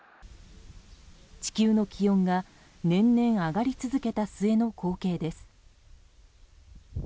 地球の気温が年々上がり続けた末の光景です。